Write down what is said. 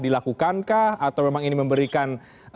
dilakukan kah atau memang ini memberikan